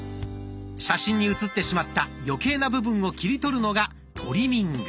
写真に写ってしまった余計な部分を切り取るのがトリミング。